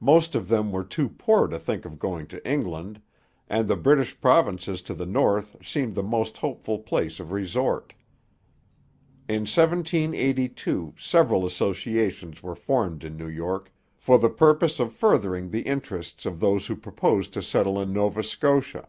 Most of them were too poor to think of going to England, and the British provinces to the north seemed the most hopeful place of resort. In 1782 several associations were formed in New York for the purpose of furthering the interests of those who proposed to settle in Nova Scotia.